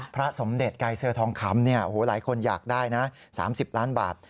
พระสมเด็จไกรเซอร์ทองคำหลายคนอยากได้นะ๓๐ล้านบาท